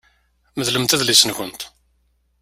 Medlemt adlis-nkent.